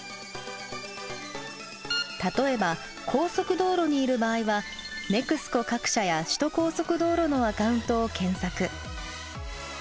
例えば高速道路にいる場合はＮＥＸＣＯ各社や首都高速道路のアカウントを検索。